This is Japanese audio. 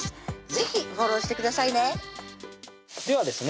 是非フォローしてくださいねではですね